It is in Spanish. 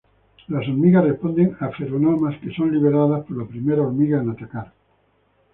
Las hormigas responden a feromonas que son liberadas por la primera hormiga en atacar.